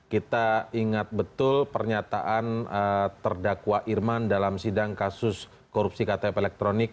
kita ingat betul pernyataan terdakwa irman dalam sidang kasus korupsi ktp elektronik